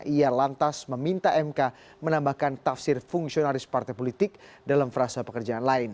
ia lantas meminta mk menambahkan tafsir fungsionalis partai politik dalam frasa pekerjaan lain